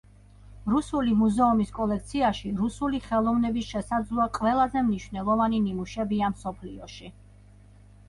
რუსული მუზეუმის კოლექციაში რუსული ხელოვნების შესაძლოა ყველაზე მნიშვნელოვანი ნიმუშებია მსოფლიოში.